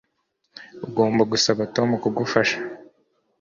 Ugomba gusaba Tom kugufasha